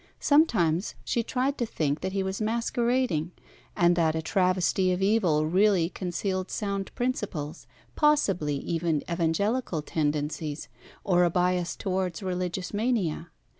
Sometimes she tried to think that he was masquerading, and that a travesty of evil really concealed sound principles, possibly even evangelical tendencies, or a bias towards religious mania.